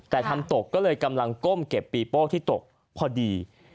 แต่ทำตกก็เลยกำลังก้มเก็บปีโป้ที่ตกพอดี